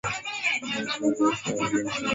Newells Old Boys na timu ya taifa ya Argentina